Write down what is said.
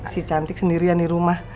si cantik sendirian di rumah